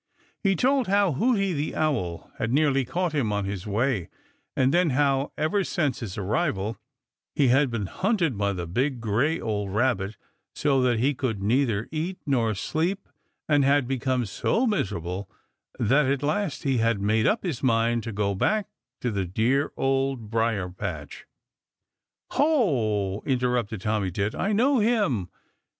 He told how Hooty the Owl had nearly caught him on his way, and then how, ever since his arrival, he had been hunted by the big, gray, old Rabbit so that he could neither eat nor sleep and had become so miserable that at last he had made up his mind to go back to the dear Old Briar patch. "Ho!" interrupted Tommy Tit, "I know him.